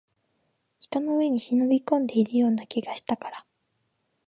人の家に忍び込んでいるような気がしたから